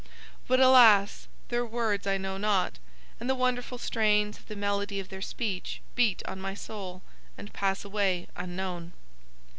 But alas! Their words I know not, and the wonderful strains of the melody of Their speech beat on my soul and pass away unknown.